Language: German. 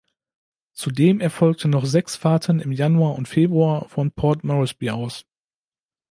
Zudem erfolgten noch sechs Fahrten im Januar und Februar von Port Moresby aus.